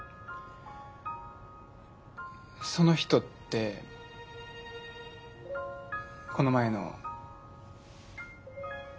その人ってこの前の。